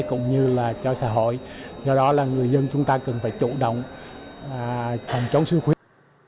cũng như cho xã hội do đó người dân chúng ta cần phải chủ động phòng chống sốt huyết